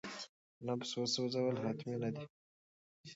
نفس وسوځول حتمي نه دي.